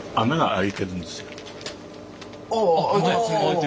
開いてる。